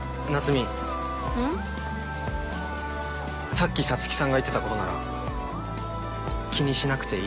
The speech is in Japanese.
さっき皐月さんが言ってたことなら気にしなくていいと思う。